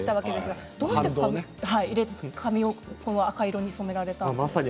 どうして赤い色に染められたんですか？